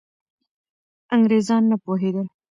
انګریزان نه پوهېدل.